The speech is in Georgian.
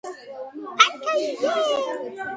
ფანქარი